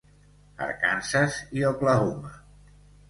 Arkansas i Oklahoma.